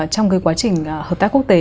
trong cái quá trình hợp tác quốc tế